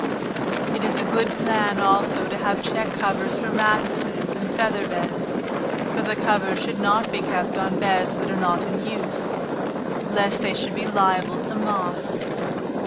It is a good plan also to have check covers for matresses and feather beds, but the covers should not be kept on beds that are not in use, lest they should be liable to moth.